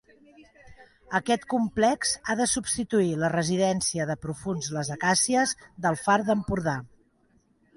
Aquest complex ha de substituir la residència de profunds Les Acàcies, del Far d'Empordà.